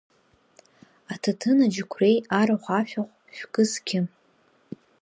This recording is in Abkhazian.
Аҭаҭын, аџьықәреи, арахә-ашәахә, шәкы-зқьы…